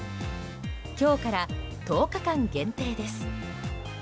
今日から１０日間限定です。